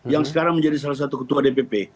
yang sekarang menjadi salah satu ketua dpp